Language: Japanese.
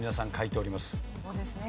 そうですね。